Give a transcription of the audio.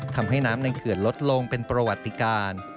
ทำให้น้ำในเขื่อนลดลงเป็นประวัติการ